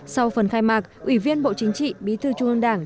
sau phần khai mạc ủy viên bộ chính trị bí thư trung ương đảng